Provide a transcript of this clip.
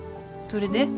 それで？